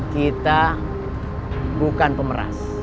kita bukan pemeras